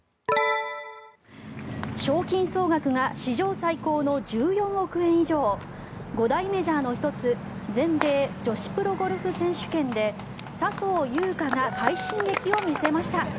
賞金総額が史上最高の１４億円以上五大メジャーの１つ全米女子プロゴルフ選手権で笹生優花が快進撃を見せました。